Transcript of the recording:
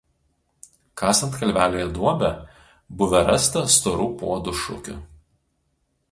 Kasant kalvelėje duobę buvę rasta storų puodų šukių.